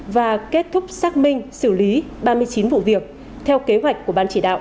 và kết thúc xác minh xử lý ba mươi chín vụ việc theo kế hoạch của ban chỉ đạo